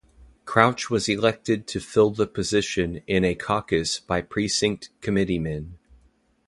Crouch was elected to fill the position in a caucus by precinct committeemen.